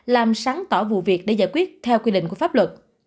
làm sáng tỏ vụ việc để giải quyết theo quy định của pháp luật